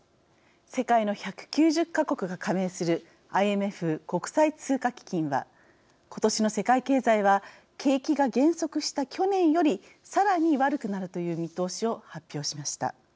世界の１９０か国が加盟するＩＭＦ国際通貨基金は今年の世界経済は景気が減速した去年よりさらに悪くなるという見通しを発表しました。